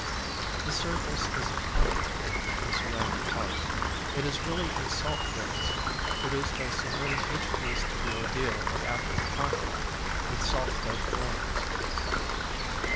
This surface is a triumph of the ceramic art. It is really a salt glaze produced by submitting each piece to the ordeal of actual contact with salt fed flames.